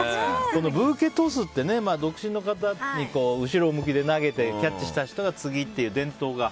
ブーケトスって独身の方に後ろ向きで投げてキャッチした人が次っていう伝統が。